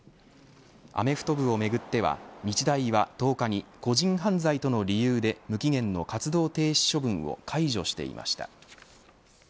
アメフト部をめぐっては日大は１０日に個人犯罪との理由で無期限の活動停止処分を解除していました。